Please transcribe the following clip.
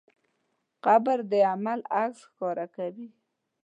قبر د عمل عکس ښکاره کوي.